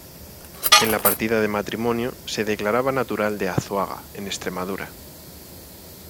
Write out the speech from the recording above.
En la partida de matrimonio se declaraba natural de Azuaga en Extremadura.